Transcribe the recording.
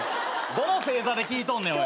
どの「せいざ」で聞いとんねん。